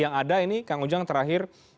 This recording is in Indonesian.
yang ada ini kang ujang terakhir